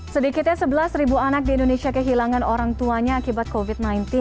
sedikitnya sebelas anak di indonesia kehilangan orang tuanya akibat covid sembilan belas